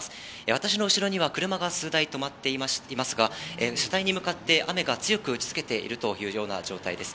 私の後ろには車が数台止まっていますが、車体に向かって雨が強く打ちつけているというような状態です。